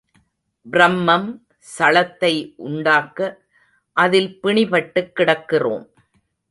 ப்ரமம் சளத்தை உண்டாக்க அதில் பிணிபட்டுக் கிடக்கிறோம்.